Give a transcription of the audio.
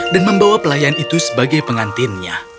dan membawa pelayan itu sebagai pengantinnya